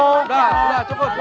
udah udah cukup